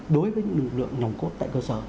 đối với những lực lượng nòng cốt tại cơ sở